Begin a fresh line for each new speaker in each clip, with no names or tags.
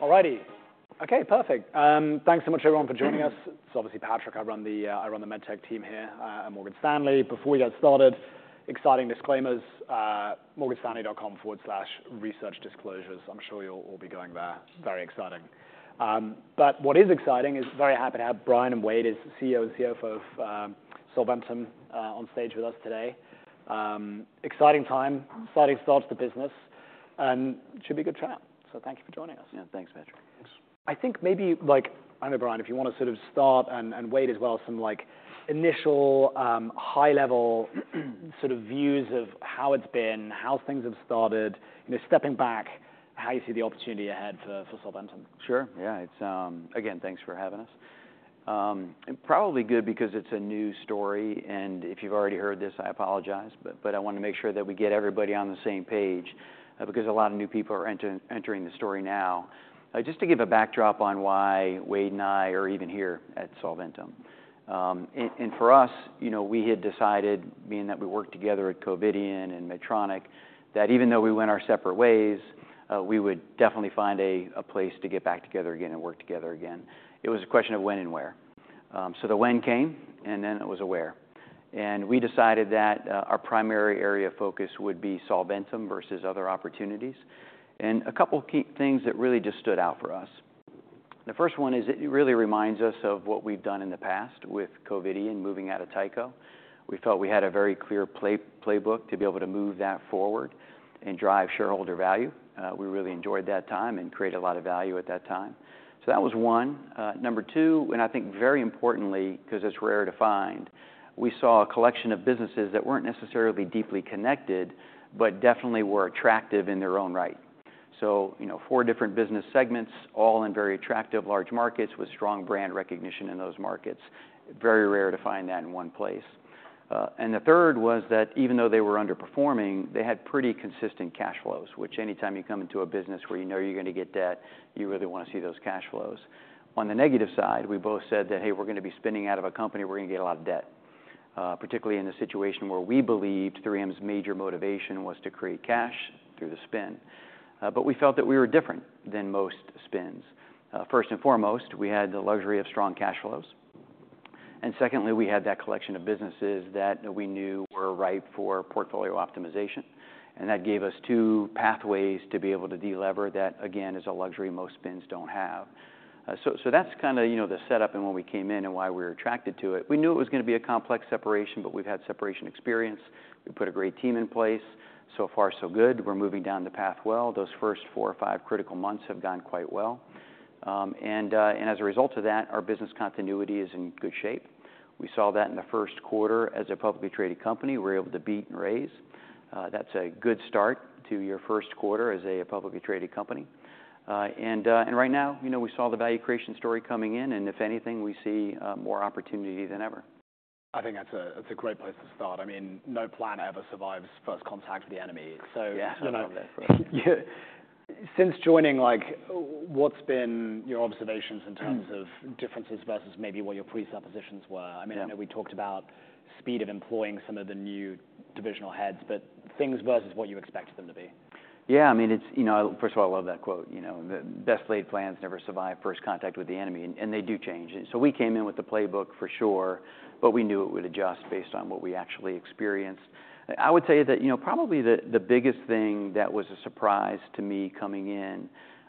All righty. Okay, perfect. Thanks so much everyone for joining us. It's obviously Patrick. I run the MedTech team here at Morgan Stanley. Before we get started, exciting disclaimers, morganstanley.com/researchdisclosures. I'm sure you'll all be going there. Very exciting. But what is exciting is very happy to have Bryan and Wayde, as CEO and CFO of Solventum, on stage with us today. Exciting time, exciting start to the business, and should be a good chat. So thank you for joining us.
Yeah, thanks, Patrick.
I think maybe like, I don't know, Bryan, if you wanna sort of start, and Wayde as well, some like initial high-level sort of views of how it's been, how things have started, you know, stepping back, how you see the opportunity ahead for Solventum.
Sure. Yeah. It's. Again, thanks for having us. And probably good because it's a new story, and if you've already heard this, I apologize, but I wanna make sure that we get everybody on the same page, because a lot of new people are entering the story now. Just to give a backdrop on why Wayde and I are even here at Solventum. And for us, you know, we had decided, being that we worked together at Covidien and Medtronic, that even though we went our separate ways, we would definitely find a place to get back together again and work together again. It was a question of when and where. So the when came, and then it was a where. We decided that our primary area of focus would be Solventum versus other opportunities. And a couple key things that really just stood out for us. The first one is it really reminds us of what we've done in the past with Covidien moving out of Tyco. We felt we had a very clear playbook to be able to move that forward and drive shareholder value. We really enjoyed that time and created a lot of value at that time. So that was one. Number two, and I think very importantly, 'cause it's rare to find, we saw a collection of businesses that weren't necessarily deeply connected, but definitely were attractive in their own right. So, you know, four different business segments, all in very attractive large markets with strong brand recognition in those markets. Very rare to find that in one place. And the third was that even though they were underperforming, they had pretty consistent cash flows, which, anytime you come into a business where you know you're gonna get debt, you really wanna see those cash flows. On the negative side, we both said that, Hey, we're gonna be spinning out of a company, we're gonna get a lot of debt, particularly in a situation where we believed 3M's major motivation was to create cash through the spin. But we felt that we were different than most spins. First and foremost, we had the luxury of strong cash flows, and secondly, we had that collection of businesses that we knew were ripe for portfolio optimization, and that gave us two pathways to be able to delever. That, again, is a luxury most spins don't have. So that's kind of, you know, the setup and when we came in and why we were attracted to it. We knew it was gonna be a complex separation, but we've had separation experience. We put a great team in place. So far, so good. We're moving down the path well. Those first four or five critical months have gone quite well. And as a result of that, our business continuity is in good shape. We saw that in Q1 as a publicly traded company. We were able to beat and raise. That's a good start to your first quarter as a publicly traded company. And right now, you know, we saw the value creation story coming in, and if anything, we see more opportunity than ever.
I think that's a great place to start. I mean, no plan ever survives first contact with the enemy.
Yeah.
Since joining, like, what's been your observations in terms of differences versus maybe what your presuppositions were?
Yeah.
I mean, I know we talked about speed of employing some of the new divisional heads, but things versus what you expect them to be.
Yeah, I mean, it's, you know, first of all, I love that quote. You know, the best laid plans never survive first contact with the enemy, and they do change. So we came in with the playbook for sure, but we knew it would adjust based on what we actually experienced. I would say that, you know, probably the biggest thing that was a surprise to me coming in,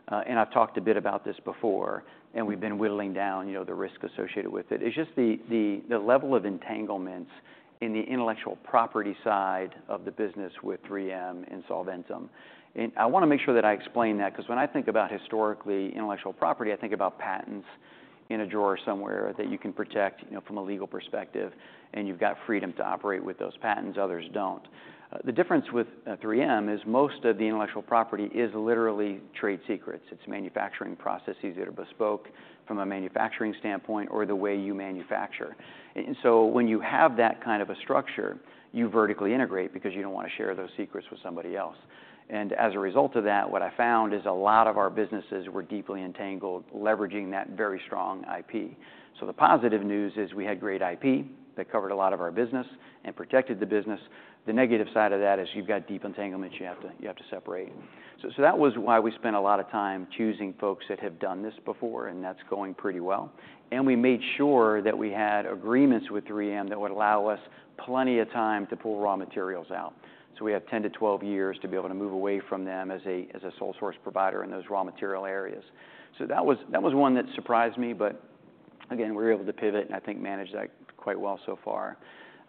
and I've talked a bit about this before, and we've been whittling down, you know, the risk associated with it, is just the level of entanglements in the intellectual property side of the business with 3M and Solventum. And I wanna make sure that I explain that, 'cause when I think about historically intellectual property, I think about patents in a drawer somewhere that you can protect, you know, from a legal perspective, and you've got freedom to operate with those patents, others don't. The difference with 3M is most of the intellectual property is literally trade secrets. It's manufacturing processes that are bespoke from a manufacturing standpoint or the way you manufacture. And so when you have that kind of a structure, you vertically integrate because you don't wanna share those secrets with somebody else. And as a result of that, what I found is a lot of our businesses were deeply entangled, leveraging that very strong IP. So the positive news is we had great IP that covered a lot of our business and protected the business. The negative side of that is you've got deep entanglements you have to separate. So that was why we spent a lot of time choosing folks that have done this before, and that's going pretty well. And we made sure that we had agreements with 3M that would allow us plenty of time to pull raw materials out. So we have 10 to 12 years to be able to move away from them as a sole source provider in those raw material areas. So that was one that surprised me, but again, we were able to pivot and I think managed that quite well so far.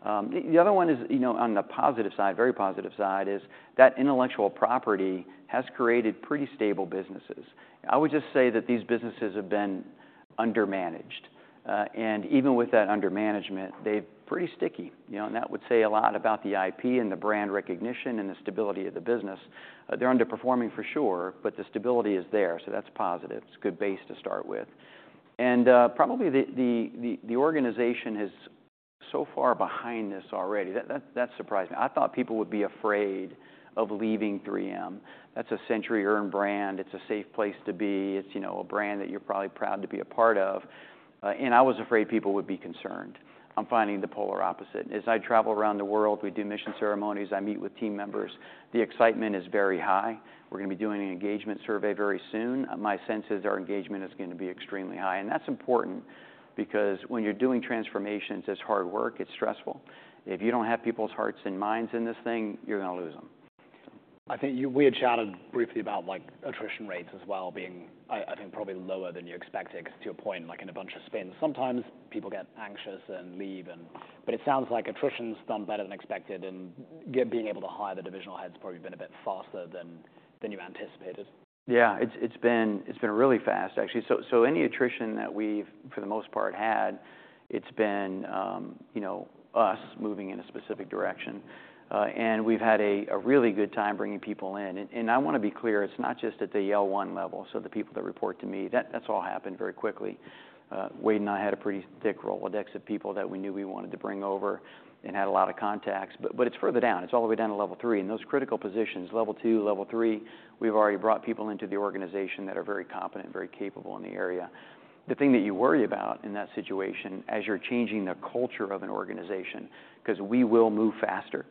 The other one is, you know, on the positive side, very positive side, is that intellectual property has created pretty stable businesses. I would just say that these businesses have been under-managed, and even with that under-management, they're pretty sticky. You know, and that would say a lot about the IP and the brand recognition and the stability of the business. They're underperforming for sure, but the stability is there, so that's positive. It's a good base to start with. And probably the organization so far behind this already, that surprised me. I thought people would be afraid of leaving 3M. That's a century-earned brand. It's a safe place to be. It's, you know, a brand that you're probably proud to be a part of, and I was afraid people would be concerned. I'm finding the polar opposite. As I travel around the world, we do mission ceremonies, I meet with team members, the excitement is very high. We're gonna be doing an engagement survey very soon. My sense is our engagement is gonna be extremely high, and that's important because when you're doing transformations, it's hard work, it's stressful. If you don't have people's hearts and minds in this thing, you're gonna lose them.
I think we had chatted briefly about, like, attrition rates as well, being I think probably lower than you expected, 'cause to your point, like in a bunch of spins, sometimes people get anxious and leave and. But it sounds like attrition's done better than expected, and being able to hire the divisional heads probably been a bit faster than you anticipated.
Yeah, it's been really fast, actually. So any attrition that we've, for the most part, had, it's been, you know, us moving in a specific direction. And we've had a really good time bringing people in. And I want to be clear, it's not just at the EL1 level, so the people that report to me, that's all happened very quickly. Wayde and I had a pretty thick Rolodex of people that we knew we wanted to bring over and had a lot of contacts, but it's further down. It's all the way down to level three, and those critical positions, level two, level three, we've already brought people into the organization that are very competent and very capable in the area. The thing that you worry about in that situation, as you're changing the culture of an organization, 'cause we will move faster,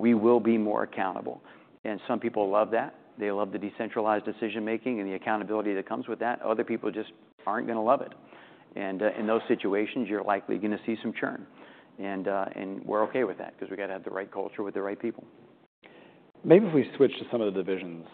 we will be more accountable, and some people love that. They love the decentralized decision-making and the accountability that comes with that. Other people just aren't gonna love it. And, in those situations, you're likely gonna see some churn. And, we're okay with that 'cause we gotta have the right culture with the right people.
Maybe if we switch to some of the divisions,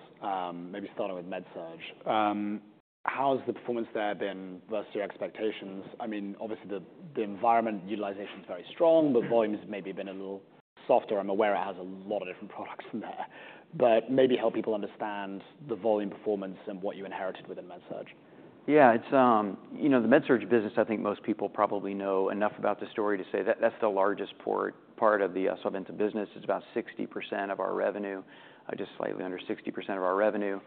maybe starting with MedSurg. How has the performance there been versus your expectations? I mean, obviously, the environment utilization is very strong, but volume has maybe been a little softer. I'm aware it has a lot of different products in there, but maybe help people understand the volume performance and what you inherited within MedSurg.
Yeah, it's you know, the MedSurg business. I think most people probably know enough about the story to say that that's the largest part of the Solventum business. It's about 60% of our revenue, just slightly under 60% of our revenue.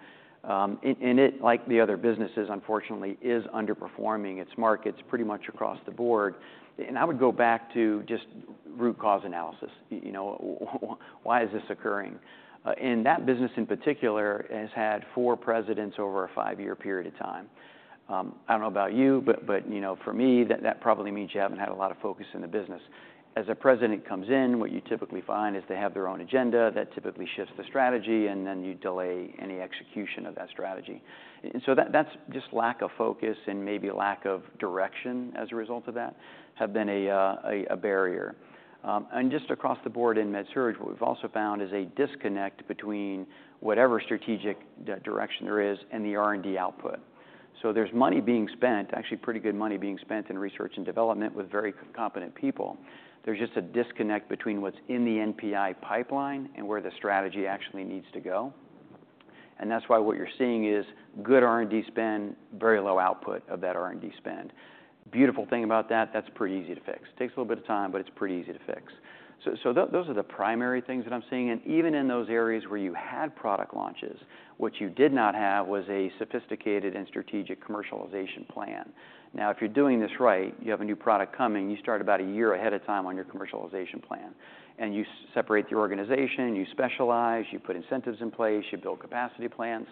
And it, like the other businesses, unfortunately, is underperforming its markets pretty much across the board, and I would go back to just root cause analysis. You know, why is this occurring, and that business, in particular, has had four presidents over a five-year period of time. I don't know about you, but you know, for me, that probably means you haven't had a lot of focus in the business. As a president comes in, what you typically find is they have their own agenda that typically shifts the strategy, and then you delay any execution of that strategy. And so that, that's just lack of focus and maybe lack of direction as a result of that, have been a barrier. And just across the board in MedSurg, what we've also found is a disconnect between whatever strategic direction there is and the R&D output. So there's money being spent, actually pretty good money being spent in research and development with very competent people. There's just a disconnect between what's in the NPI pipeline and where the strategy actually needs to go. And that's why what you're seeing is good R&D spend, very low output of that R&D spend. Beautiful thing about that, that's pretty easy to fix. Takes a little bit of time, but it's pretty easy to fix. So, those are the primary things that I'm seeing. And even in those areas where you had product launches, what you did not have was a sophisticated and strategic commercialization plan. Now, if you're doing this right, you have a new product coming, you start about a year ahead of time on your commercialization plan, and you separate the organization, you specialize, you put incentives in place, you build capacity plans.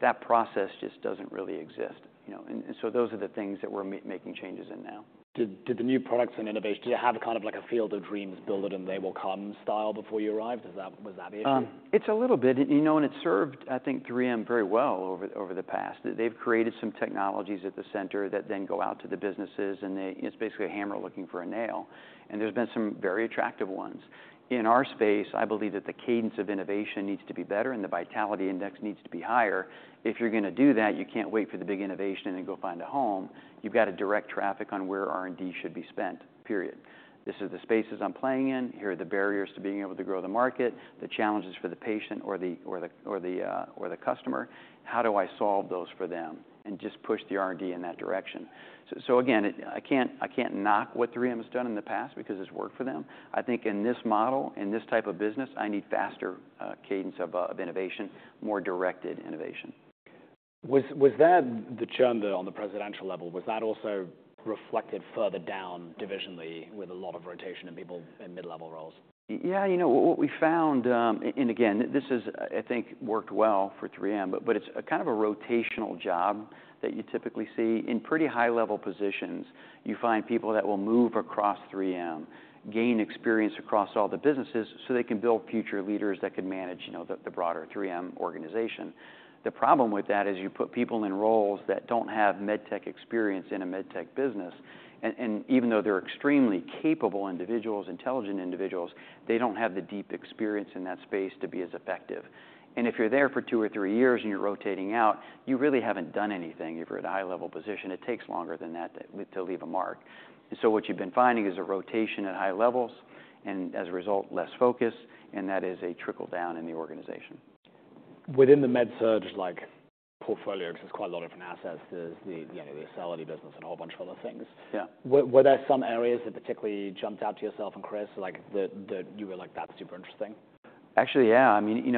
That process just doesn't really exist, you know. And, so those are the things that we're making changes in now.
Did the new products and innovation, did you have kind of like a Field of Dreams, Build it and they will come, style before you arrived? Is that? Was that the issue?
It's a little bit, and, you know, it served, I think, 3M very well over the past. They've created some technologies at the center that then go out to the businesses, and they. It's basically a hammer looking for a nail, and there's been some very attractive ones. In our space, I believe that the cadence of innovation needs to be better and the vitality index needs to be higher. If you're gonna do that, you can't wait for the big innovation and then go find a home. You've got to direct traffic on where R&D should be spent, period. This is the spaces I'm playing in. Here are the barriers to being able to grow the market, the challenges for the patient or the customer. How do I solve those for them and just push the R&D in that direction? So again, I can't, I can't knock what 3M has done in the past because it's worked for them. I think in this model, in this type of business, I need faster cadence of innovation, more directed innovation.
Was that the churn on the presidential level, was that also reflected further down divisionally with a lot of rotation in people in mid-level roles?
Yeah, you know, what we found, and again, this has, I think, worked well for 3M, but it's a kind of a rotational job that you typically see. In pretty high-level positions, you find people that will move across 3M, gain experience across all the businesses, so they can build future leaders that can manage, you know, the broader 3M organization. The problem with that is you put people in roles that don't have med tech experience in a med tech business, and even though they're extremely capable individuals, intelligent individuals, they don't have the deep experience in that space to be as effective. And if you're there for two or three years and you're rotating out, you really haven't done anything. If you're at a high-level position, it takes longer than that to leave a mark. And so what you've been finding is a rotation at high levels, and as a result, less focus, and that is a trickle-down in the organization.
Within the MedSurg portfolio, like, because it's quite a lot of different assets, there's the, you know, the facility business and a whole bunch of other things-
Yeah.
Were there some areas that particularly jumped out to yourself and Chris, like, that you were like, That's super interesting?...
Actually, yeah, I mean, you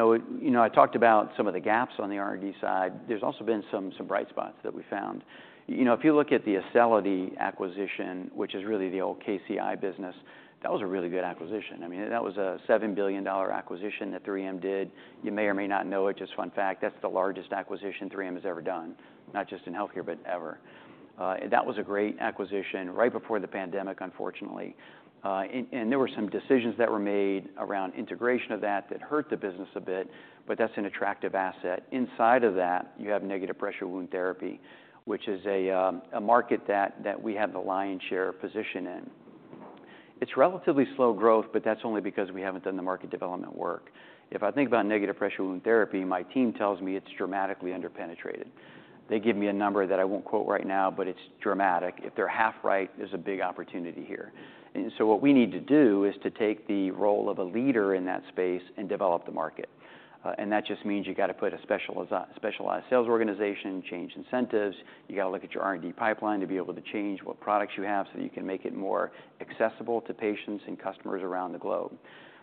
know, I talked about some of the gaps on the R&D side. There's also been some bright spots that we found. You know, if you look at the Acelity acquisition, which is really the old KCI business, that was a really good acquisition. I mean, that was a $7 billion acquisition that 3M did. You may or may not know it, just fun fact, that's the largest acquisition 3M has ever done, not just in healthcare, but ever. That was a great acquisition right before the pandemic, unfortunately, and there were some decisions that were made around integration of that that hurt the business a bit, but that's an attractive asset. Inside of that, you have negative pressure wound therapy, which is a market that we have the lion's share position in. It's relatively slow growth, but that's only because we haven't done the market development work. If I think about negative pressure wound therapy, my team tells me it's dramatically under-penetrated. They give me a number that I won't quote right now, but it's dramatic. If they're half right, there's a big opportunity here. And so what we need to do is to take the role of a leader in that space and develop the market. And that just means you got to put a specialized sales organization, change incentives. You got to look at your R&D pipeline to be able to change what products you have, so you can make it more accessible to patients and customers around the globe.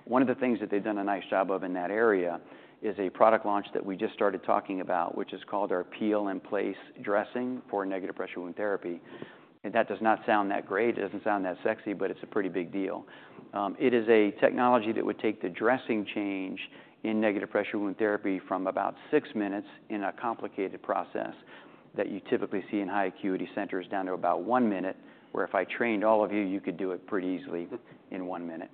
One of the things that they've done a nice job of in that area is a product launch that we just started talking about, which is called our Peel and Place Dressing for negative pressure wound therapy. And that does not sound that great, it doesn't sound that sexy, but it's a pretty big deal. It is a technology that would take the dressing change in negative pressure wound therapy from about six minutes in a complicated process that you typically see in high acuity centers, down to about one minute, where if I trained all of you, you could do it pretty easily in one minute.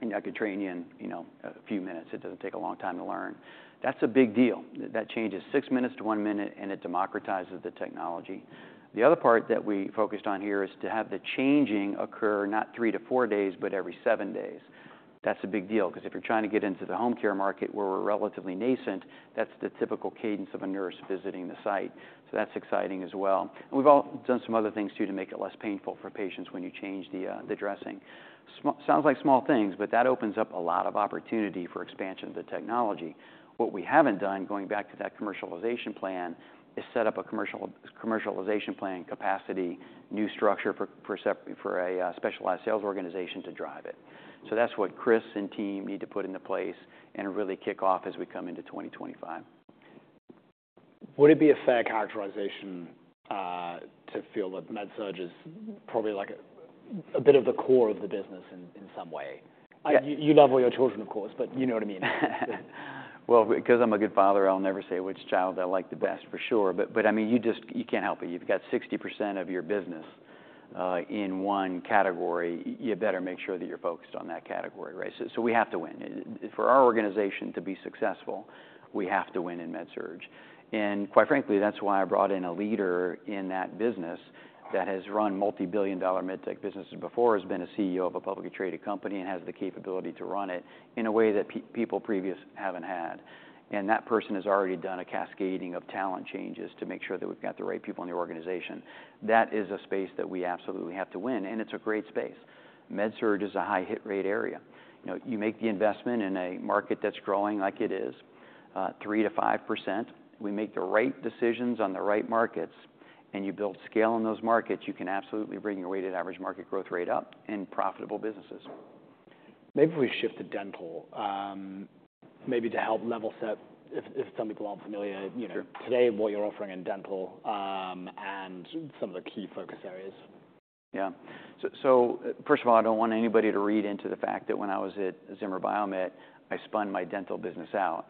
And I could train you in, you know, a few minutes. It doesn't take a long time to learn. That's a big deal. That changes six minutes to one minute, and it democratizes the technology. The other part that we focused on here is to have the changing occur, not three to four days, but every seven days. That's a big deal, because if you're trying to get into the home care market, where we're relatively nascent, that's the typical cadence of a nurse visiting the site. So that's exciting as well. And we've all done some other things, too, to make it less painful for patients when you change the dressing. Sounds like small things, but that opens up a lot of opportunity for expansion of the technology. What we haven't done, going back to that commercialization plan, is set up a commercialization plan capacity, new structure for a specialized sales organization to drive it. So that's what Chris and team need to put into place and really kick off as we come into 2025.
Would it be a fair characterization to feel that MedSurg is probably like a bit of the core of the business in some way?
Yeah.
You love all your children, of course, but you know what I mean.
Well, because I'm a good father, I'll never say which child I like the best, for sure. But I mean, you just... You can't help it. You've got 60% of your business in one category. You better make sure that you're focused on that category, right? So we have to win. For our organization to be successful, we have to win in MedSurg. And quite frankly, that's why I brought in a leader in that business that has run multi-billion dollar med tech businesses before, has been a CEO of a publicly traded company, and has the capability to run it in a way that people previously haven't had. And that person has already done a cascading of talent changes to make sure that we've got the right people in the organization. That is a space that we absolutely have to win, and it's a great space. MedSurg is a high hit rate area. You know, you make the investment in a market that's growing like it is, 3% to 5%. We make the right decisions on the right markets, and you build scale in those markets, you can absolutely bring your weighted average market growth rate up in profitable businesses.
Maybe if we shift to dental, maybe to help level set, if some people aren't familiar-
Sure...
today, what you're offering in dental, and some of the key focus areas?
Yeah. So first of all, I don't want anybody to read into the fact that when I was at Zimmer Biomet, I spun my dental business out.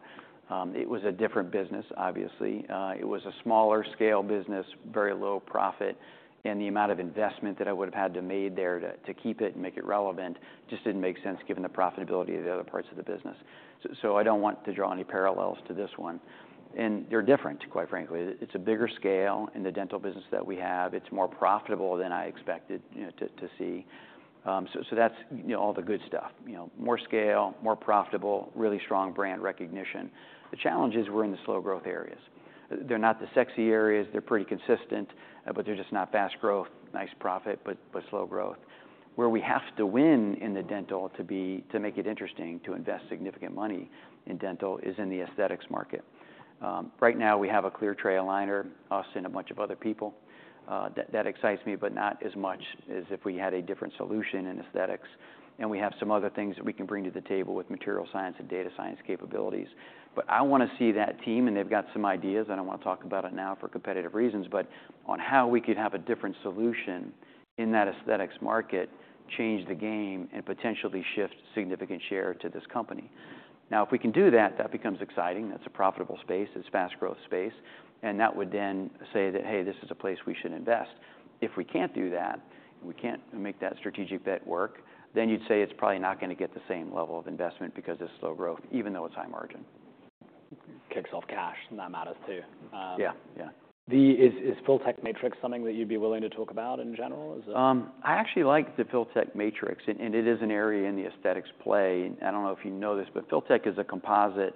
It was a different business, obviously. It was a smaller scale business, very low profit, and the amount of investment that I would have had to make there to keep it and make it relevant, just didn't make sense given the profitability of the other parts of the business. So I don't want to draw any parallels to this one. And they're different, quite frankly. It's a bigger scale in the dental business that we have. It's more profitable than I expected, you know, to see. So that's, you know, all the good stuff. You know, more scale, more profitable, really strong brand recognition. The challenge is we're in the slow growth areas. They're not the sexy areas, they're pretty consistent, but they're just not fast growth, nice profit, but slow growth. Where we have to win in the dental to make it interesting, to invest significant money in dental, is in the aesthetics market. Right now, we have a clear tray aligner, us and a bunch of other people. That excites me, but not as much as if we had a different solution in aesthetics. And we have some other things that we can bring to the table with material science and data science capabilities. But I want to see that team, and they've got some ideas, I don't want to talk about it now for competitive reasons, but on how we could have a different solution in that aesthetics market, change the game, and potentially shift significant share to this company. Now, if we can do that, that becomes exciting. That's a profitable space. It's a fast growth space, and that would then say that, Hey, this is a place we should invest. If we can't do that, we can't make that strategic bet work, then you'd say it's probably not going to get the same level of investment because it's slow growth, even though it's high margin.
Kicks off cash, and that matters, too.
Yeah, yeah.
Is Filtek Matrix something that you'd be willing to talk about in general? Is it-
I actually like the Filtek Matrix, and it is an area in the aesthetics play. I don't know if you know this, but Filtek is a composite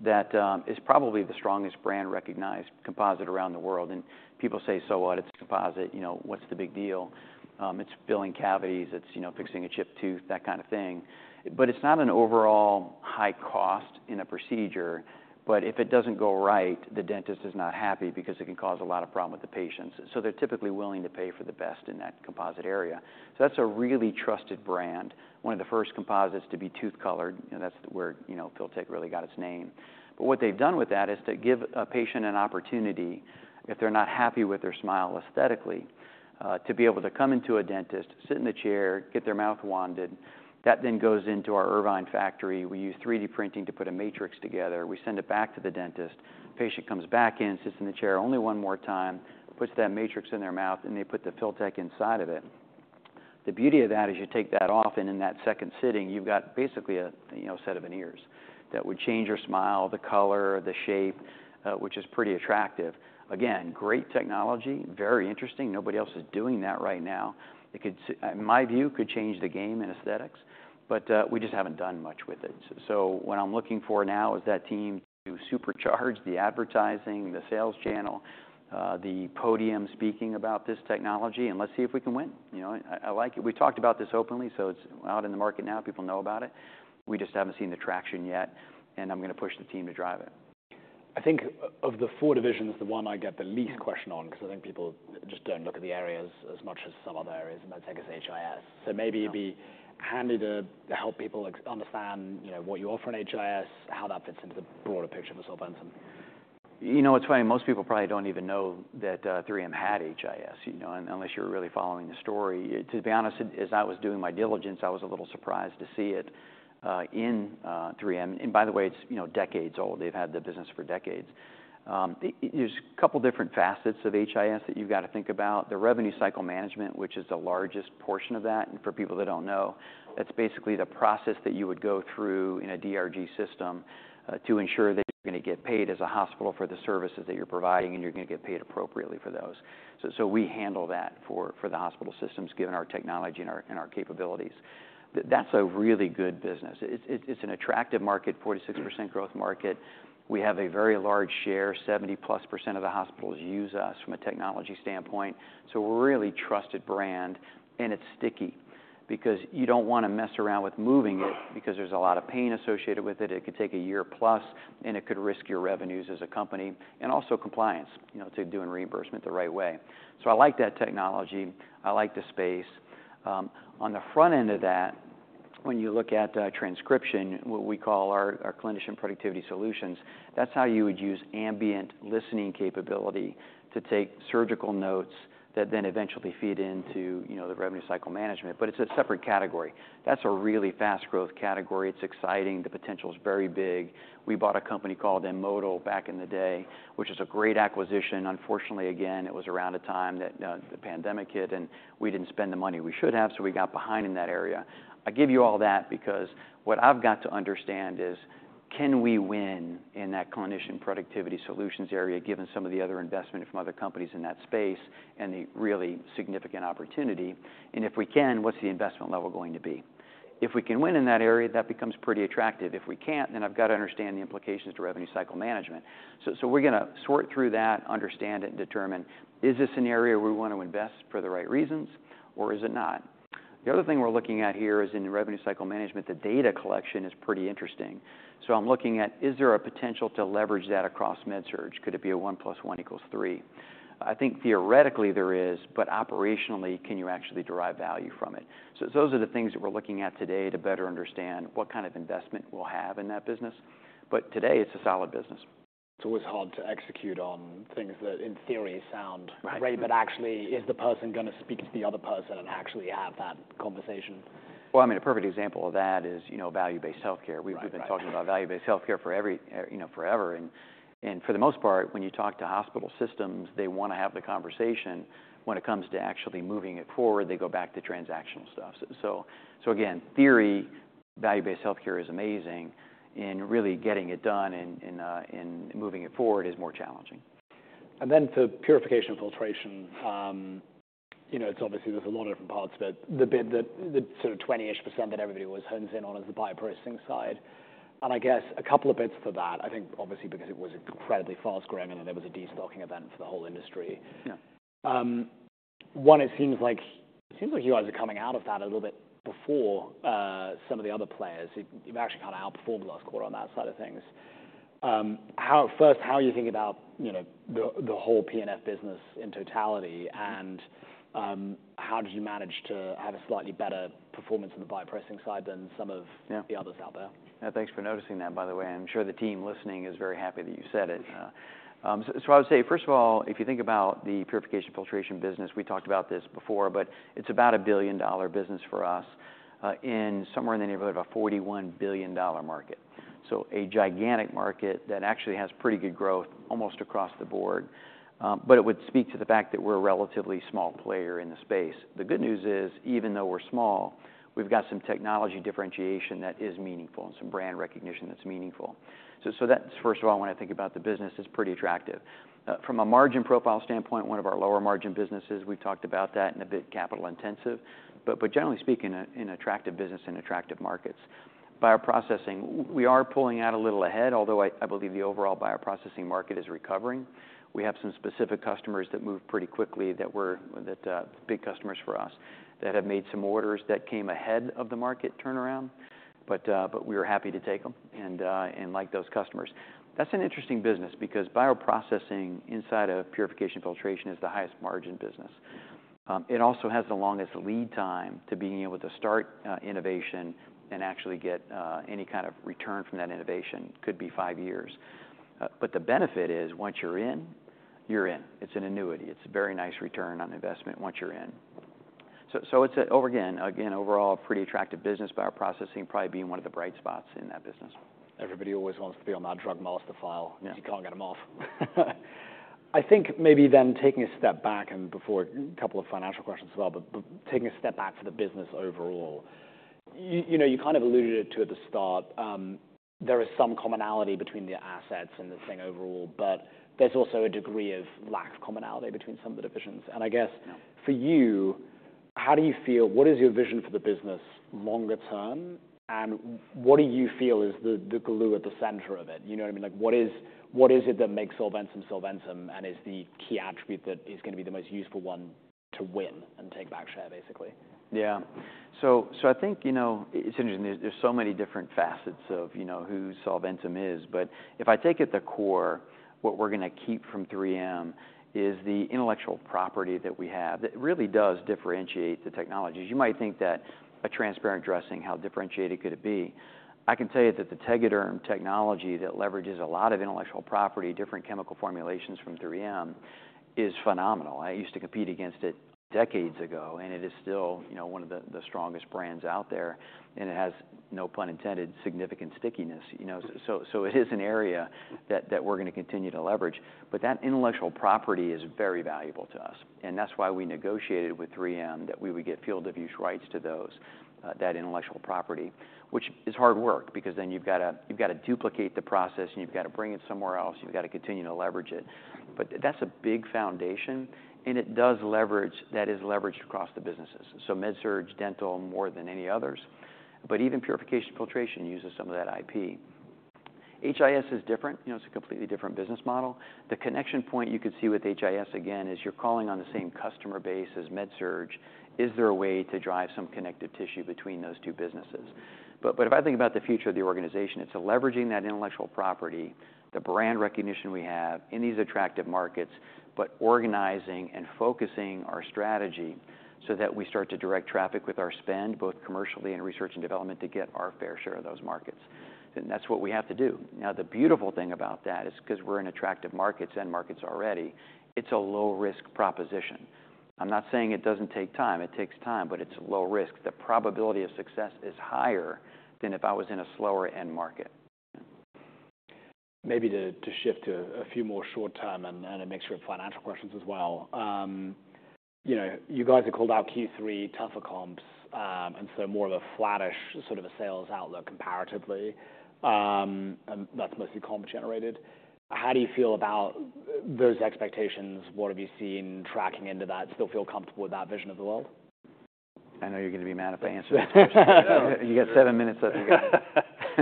that is probably the strongest brand recognized composite around the world. And people say, So what? It's a composite. You know, what's the big deal? It's filling cavities, it's, you know, fixing a chipped tooth, that kind of thing. But it's not an overall high cost in a procedure, but if it doesn't go right, the dentist is not happy because it can 'cause a lot of problem with the patients. So they're typically willing to pay for the best in that composite area. So that's a really trusted brand. One of the first composites to be tooth colored, and that's where, you know, Filtek really got its name. But what they've done with that is to give a patient an opportunity, if they're not happy with their smile aesthetically, to be able to come into a dentist, sit in the chair, get their mouth wanded. That then goes into our Irvine factory. We use 3D printing to put a matrix together. We send it back to the dentist. Patient comes back in, sits in the chair only one more time, puts that matrix in their mouth, and they put the Filtek inside of it. The beauty of that is you take that off, and in that second sitting, you've got basically a, you know, set of veneers that would change your smile, the color, the shape, which is pretty attractive. Again, great technology, very interesting. Nobody else is doing that right now. It could, in my view, could change the game in aesthetics, but we just haven't done much with it. So what I'm looking for now is that team to supercharge the advertising, the sales channel, the podium, speaking about this technology, and let's see if we can win. You know, I like it. We talked about this openly, so it's out in the market now. People know about it. We just haven't seen the traction yet, and I'm gonna push the team to drive it.
I think one of the four divisions, the one I get the least question on-
Yeah...
because I think people just don't look at the areas as much as some other areas, and that takes us to HIS. So maybe-
Yeah...
it'd be handy to help people understand, you know, what you offer in HIS, how that fits into the broader picture of Solventum.
You know, it's funny, most people probably don't even know that, 3M had HIS, you know, unless you're really following the story. To be honest, as I was doing my diligence, I was a little surprised to see it in 3M. And by the way, it's, you know, decades old. They've had the business for decades. There's a couple different facets of HIS that you've got to think about. The revenue cycle management, which is the largest portion of that, and for people that don't know, that's basically the process that you would go through in a DRG system to ensure that you're gonna get paid as a hospital for the services that you're providing, and you're gonna get paid appropriately for those. So we handle that for the hospital systems, given our technology and our capabilities. That's a really good business. It's an attractive market, 46% growth market. We have a very large share. +70% of the hospitals use us from a technology standpoint, so a really trusted brand, and it's sticky because you don't want to mess around with moving it, because there's a lot of pain associated with it. It could take a year plus, and it could risk your revenues as a company, and also compliance, you know, to doing reimbursement the right way. So I like that technology. I like the space. On the front end of that, when you look at transcription, what we call our clinician productivity solutions, that's how you would use ambient listening capability to take surgical notes that then eventually feed into, you know, the revenue cycle management. But it's a separate category. That's a really fast growth category. It's exciting. The potential is very big. We bought a company called M*Modal back in the day, which is a great acquisition. Unfortunately, again, it was around a time that, the pandemic hit, and we didn't spend the money we should have, so we got behind in that area. I give you all that because what I've got to understand is, can we win in that clinician productivity solutions area, given some of the other investment from other companies in that space and the really significant opportunity? And if we can, what's the investment level going to be? If we can win in that area, that becomes pretty attractive. If we can't, then I've got to understand the implications to revenue cycle management. We're gonna sort through that, understand it, and determine, is this an area we want to invest for the right reasons or is it not? The other thing we're looking at here is in the revenue cycle management, the data collection is pretty interesting. I'm looking at, is there a potential to leverage that across MedSurg? Could it be a one plus one equals three? I think theoretically, there is, but operationally, can you actually derive value from it? Those are the things that we're looking at today to better understand what kind of investment we'll have in that business. Today, it's a solid business.
It's always hard to execute on things that, in theory, sound-
Right...
great, but actually, is the person gonna speak to the other person and actually have that conversation?
I mean, a perfect example of that is, you know, value-based healthcare.
Right. Right.
We've been talking about value-based healthcare for every, you know, forever, and for the most part, when you talk to hospital systems, they want to have the conversation. When it comes to actually moving it forward, they go back to transactional stuff. So again, theory, value-based healthcare is amazing, and really getting it done and moving it forward is more challenging.
Then for purification and filtration, you know, it's obviously there's a lot of different parts, but the bit that, the sort of 20% that everybody always hones in on is the bioprocessing side. I guess a couple of bits for that. I think obviously because it was incredibly fast growing and there was a destocking event for the whole industry.
Yeah.
One, it seems like you guys are coming out of that a little bit before some of the other players. You've actually kind of outperformed last quarter on that side of things. First, how are you thinking about, you know, the whole P&F business in totality? And how did you manage to have a slightly better performance on the bioprocessing side than some of-
Yeah...
the others out there?
Yeah, thanks for noticing that, by the way. I'm sure the team listening is very happy that you said it.
Yeah.
So, I would say, first of all, if you think about the purification filtration business, we talked about this before, but it's about a billion dollar business for us, in somewhere in the neighborhood of a $41 billion market. So a gigantic market that actually has pretty good growth almost across the board, but it would speak to the fact that we're a relatively small player in the space. The good news is, even though we're small, we've got some technology differentiation that is meaningful and some brand recognition that's meaningful. So that's, first of all, when I think about the business, it's pretty attractive. From a margin profile standpoint, one of our lower margin businesses, we've talked about that, and a bit capital intensive, but generally speaking, an attractive business and attractive markets. Bioprocessing, we are pulling out a little ahead, although I believe the overall bioprocessing market is recovering. We have some specific customers that move pretty quickly that were big customers for us, that have made some orders that came ahead of the market turnaround. But we were happy to take them and like those customers. That's an interesting business because bioprocessing inside a purification filtration is the highest margin business. It also has the longest lead time to being able to start innovation and actually get any kind of return from that innovation, could be five years. But the benefit is once you're in, you're in. It's an annuity. It's a very nice return on investment once you're in. So it's overall a pretty attractive business, bioprocessing probably being one of the bright spots in that business.
Everybody always wants to be on that M*Modal to file.
Yeah.
You can't get them off.... I think maybe then taking a step back and before a couple of financial questions as well, but, but taking a step back to the business overall, you, you know, you kind of alluded to it at the start. There is some commonality between the assets and the thing overall, but there's also a degree of lack of commonality between some of the divisions. And I guess-
Yeah...
for you, how do you feel? What is your vision for the business longer term, and what do you feel is the glue at the center of it? You know what I mean? Like, what is it that makes Solventum, Solventum, and is the key attribute that is gonna be the most useful one to win and take back share, basically?
Yeah. So I think, you know, it's interesting. There's so many different facets of, you know, who Solventum is. But if I take at the core, what we're gonna keep from 3M is the intellectual property that we have, that really does differentiate the technologies. You might think that a transparent dressing, how differentiated could it be? I can tell you that the Tegaderm technology that leverages a lot of intellectual property, different chemical formulations from 3M, is phenomenal. I used to compete against it decades ago, and it is still, you know, one of the strongest brands out there, and it has, no pun intended, significant stickiness, you know? So it is an area that we're gonna continue to leverage. But that intellectual property is very valuable to us, and that's why we negotiated with 3M, that we would get field of use rights to those, that intellectual property. Which is hard work, because then you've gotta duplicate the process, and you've gotta bring it somewhere else, and you've gotta continue to leverage it. But that's a big foundation, and it does leverage. That is leveraged across the businesses, so MedSurg, Dental, more than any others. But even Purification and Filtration uses some of that IP. HIS is different. You know, it's a completely different business model. The connection point you could see with HIS, again, is you're calling on the same customer base as MedSurg. Is there a way to drive some connective tissue between those two businesses? But, but if I think about the future of the organization, it's leveraging that intellectual property, the brand recognition we have in these attractive markets, but organizing and focusing our strategy so that we start to direct traffic with our spend, both commercially and research and development, to get our fair share of those markets, and that's what we have to do. Now, the beautiful thing about that is, 'cause we're in attractive markets and markets already, it's a low-risk proposition. I'm not saying it doesn't take time. It takes time, but it's low risk. The probability of success is higher than if I was in a slower end market.
Maybe to shift to a few more short term and a mixture of financial questions as well. You know, you guys have called out Q3 tougher comps, and so more of a flattish sort of a sales outlook comparatively. And that's mostly comp generated. How do you feel about those expectations? What have you seen tracking into that? Still feel comfortable with that vision of the world?
I know you're gonna be mad if I answer that question.
You get seven minutes.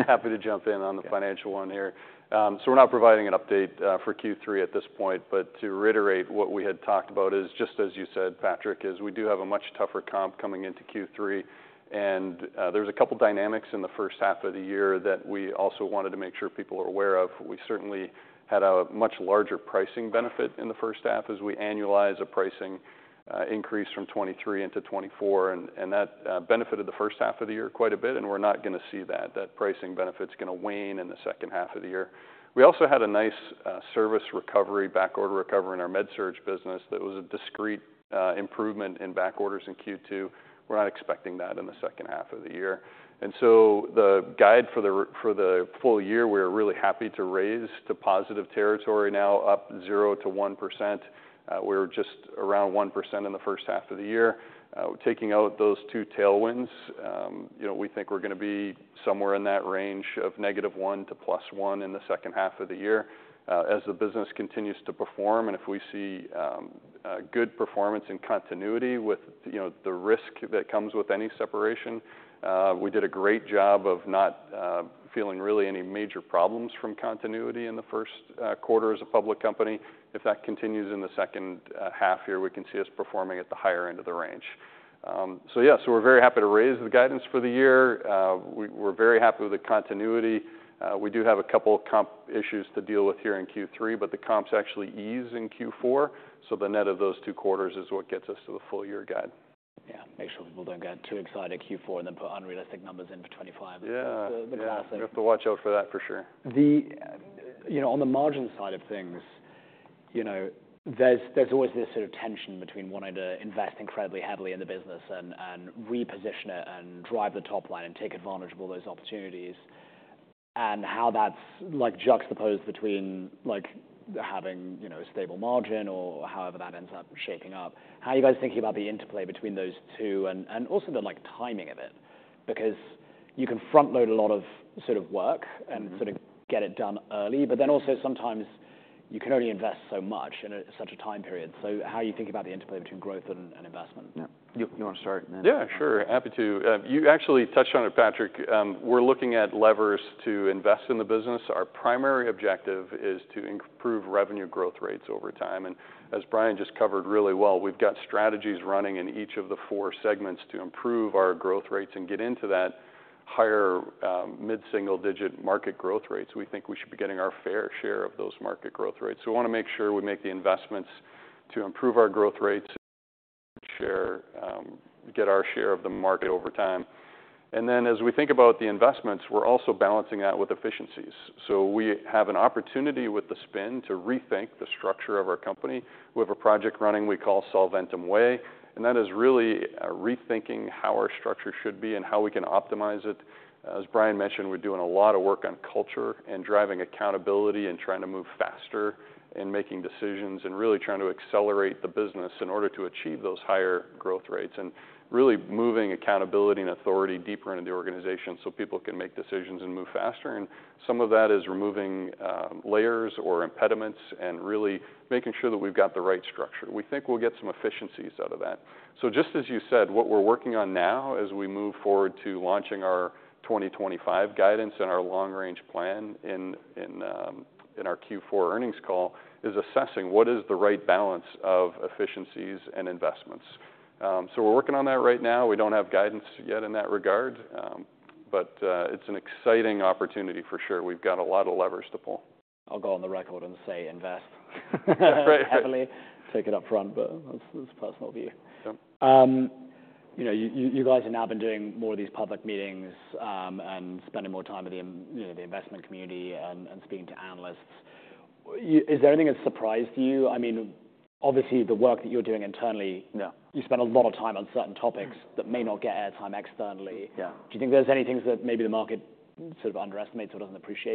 Happy to jump in on the financial one here. So we're not providing an update for Q3 at this point, but to reiterate, what we had talked about is, just as you said, Patrick, is we do have a much tougher comp coming into Q3. And there's a couple dynamics in H1 of the year that we also wanted to make sure people are aware of. We certainly had a much larger pricing benefit in H1 as we annualize a pricing increase from 2023 into 2024, and that benefited H1 of the year quite a bit, and we're not gonna see that. That pricing benefit's gonna wane in H2 of the year. We also had a nice service recovery, backorder recovery in our MedSurg business that was a discrete improvement in backorders in Q2. We're not expecting that in H2 of the year. And so the guide for the full year, we're really happy to raise to positive territory, now up 0% to 1%. We were just around 1% in H1 of the year. Taking out those two tailwinds, you know, we think we're gonna be somewhere in that range of -1% to +1% in H2 of the year. As the business continues to perform, and if we see good performance and continuity with, you know, the risk that comes with any separation, we did a great job of not feeling really any major problems from continuity in Q1 as a public company. If that continues in H2 year, we can see us performing at the higher end of the range. So yeah, so we're very happy to raise the guidance for the year. We're very happy with the continuity. We do have a couple of comp issues to deal with here in Q3, but the comps actually ease in Q4, so the net of those two quarters is what gets us to the full-year guide.
Yeah, make sure people don't get too excited Q4, and then put unrealistic numbers in for 2025.
Yeah.
The classic-
We have to watch out for that, for sure.
You know, on the margin side of things, you know, there's always this sort of tension between wanting to invest incredibly heavily in the business and reposition it, and drive the top line, and take advantage of all those opportunities, and how that's like juxtaposed between, like, having, you know, a stable margin or however that ends up shaping up. How are you guys thinking about the interplay between those two and also the, like, timing of it? because you can front-load a lot of sort of work... and sort of get it done early, but then also sometimes you can only invest so much in a such a time period. So how are you thinking about the interplay between growth and investment?
Yeah. You wanna start, and then-
Yeah, sure. Happy to. You actually touched on it, Patrick. We're looking at levers to invest in the business. Our primary objective is to improve revenue growth rates over time. And as Bryan just covered really well, we've got strategies running in each of the four segments to improve our growth rates and get into that higher, mid-single-digit market growth rates. We think we should be getting our fair share of those market growth rates. We wanna make sure we make the investments to improve our growth rates, share. Get our share of the market over time. And then, as we think about the investments, we're also balancing that with efficiencies. So we have an opportunity with the spin to rethink the structure of our company. We have a project running we call Solventum Way, and that is really rethinking how our structure should be and how we can optimize it. As Bryan mentioned, we're doing a lot of work on culture, and driving accountability, and trying to move faster in making decisions, and really trying to accelerate the business in order to achieve those higher growth rates, and really moving accountability and authority deeper into the organization so people can make decisions and move faster, and some of that is removing layers or impediments, and really making sure that we've got the right structure. We think we'll get some efficiencies out of that. So just as you said, what we're working on now as we move forward to launching our 2025 guidance and our long-range plan in our Q4 earnings call, is assessing what is the right balance of efficiencies and investments. So we're working on that right now. We don't have guidance yet in that regard, but it's an exciting opportunity for sure. We've got a lot of levers to pull.
I'll go on the record and say invest -
That's right...
heavily. Take it upfront, but that's, that's a personal view.
Yeah.
You know, you guys have now been doing more of these public meetings, and spending more time with the, you know, the investment community and speaking to analysts. Is there anything that's surprised you? I mean, obviously, the work that you're doing internally-
Yeah...
you spend a lot of time on certain topic... that may not get airtime externally.
Yeah.
Do you think there's any things that maybe the market sort of underestimates or doesn't appreciate?